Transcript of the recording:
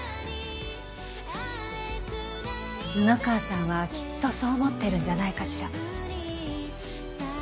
布川さんはきっとそう思ってるんじゃないかしら。